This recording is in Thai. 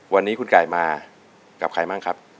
วันนี้คุณไก่มากับใครบ้างครับ